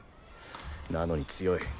なのに強い。